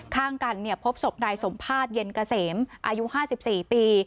ข้างกันพบศพนายสมภาษเย็นเกษมอายุ๕๔ปี